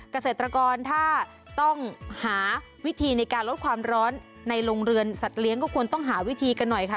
เกษตรกรถ้าต้องหาวิธีในการลดความร้อนในโรงเรือนสัตว์เลี้ยงก็ควรต้องหาวิธีกันหน่อยค่ะ